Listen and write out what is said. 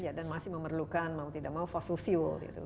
iya dan masih memerlukan mau tidak mau fossil fuel gitu